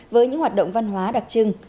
với những hoạt động văn hóa đặc trưng